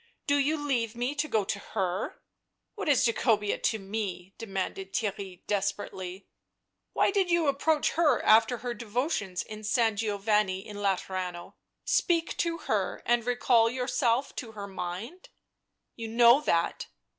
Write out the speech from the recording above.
"Do you leave me to go to herV * "What is Jacobea to me?" demanded Theirry desperately. " Why did you approach her after her devotions in San Giovanni in Laterano — speak to her and recall yourself to her mind ?" "You know that